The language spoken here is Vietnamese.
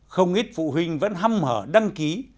không ít phụ huynh vẫn hâm hở đăng ký